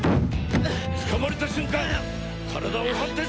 つかまれた瞬間体を反転させるんだ！